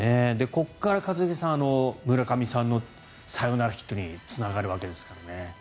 ここから一茂さん、村上さんのサヨナラヒットにつながるわけですからね。